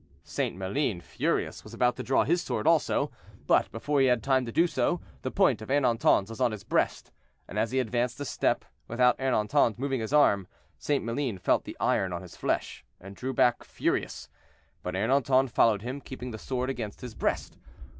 St. Maline, furious, was about to draw his sword also; but before he had time to do so, the point of Ernanton's was on his breast, and as he advanced a step, without Ernanton's moving his arm, St. Maline felt the iron on his flesh, and drew back furious, but Ernanton followed him, keeping the sword against his breast.